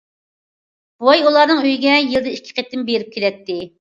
بوۋاي ئۇلارنىڭ ئۆيىگە يىلدا ئىككى قېتىم بېرىپ كېلەتتى.